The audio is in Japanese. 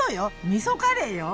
みそカレーよ！